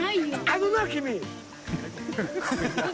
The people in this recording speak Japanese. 「あのな君！」